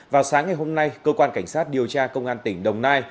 vào sáng ngày hôm nay cơ quan cảnh sát điều tra công an tỉnh đồng nai